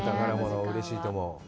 うれしいと思う。